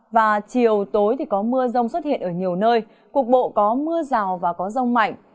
và chiều tối thì có mưa rông xuất hiện ở nhiều nơi cục bộ có mưa rào và có rông mạnh